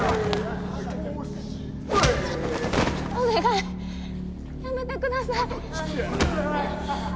お願いやめてください。